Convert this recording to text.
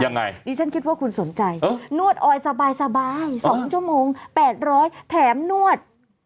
ยังไงดิฉันคิดว่าคุณสนใจนวดออยสบาย๒ชั่วโมง๘๐๐แถมนวด